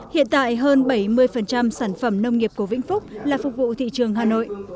hiện tại hơn bảy mươi sản phẩm nông nghiệp của vĩnh phúc là phục vụ thị trường hà nội